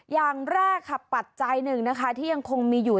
อย่างแรกค่ะปัจจัยหนึ่งนะคะที่ยังคงมีอยู่